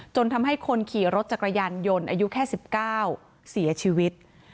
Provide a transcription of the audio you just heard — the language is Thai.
จนทำให้คนขี่รถจักรยานยนต์อายุแค่๑๙เสียชีวิต